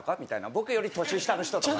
僕より年下の人とか。